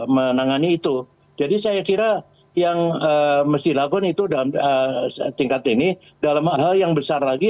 menangani itu jadi saya kira yang mesti dilakukan itu dalam tingkat ini dalam hal yang besar lagi